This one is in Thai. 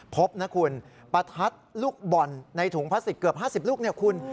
พบนะคุณประทัดลูกบ่อนในถุงพลาสติกเกือบ๕๐ลูกเนี่ยคุณ